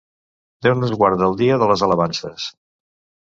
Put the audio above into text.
Déu nos guard del dia de les alabances.